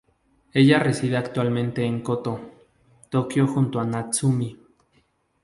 Ella reside actualmente en Koto, Tokio junto a Natsumi.